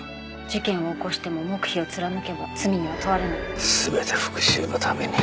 「事件を起こしても黙秘を貫けば罪には問われない」「全て復讐のために」